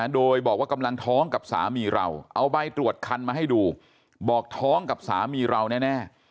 โดยบอกว่ากำลังท้องกับสามีเราเอาใบตรวจคันมาให้ดูบอกท้องกับสามีเราแน่